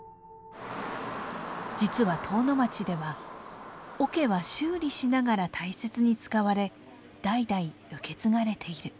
実は遠野町では桶は修理しながら大切に使われ代々受け継がれている。